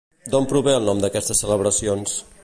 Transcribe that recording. D'on prové el nom d'aquestes celebracions?